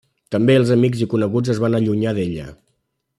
També els amics i coneguts es van allunyar d'ella.